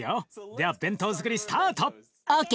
では弁当づくりスタート！ＯＫ！